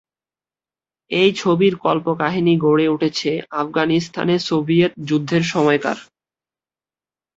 এই ছবির কল্পকাহিনী গড়ে উঠেছে আফগানিস্তানে সোভিয়েত যুদ্ধের সময়কার।